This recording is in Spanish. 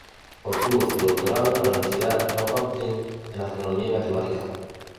Obtuvo su Doctorado en la Universidad Johns Hopkins en astronomía y matemáticas.